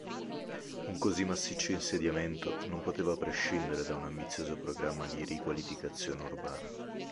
Un così massiccio insediamento non poteva prescindere da un ambizioso programma di riqualificazione urbana.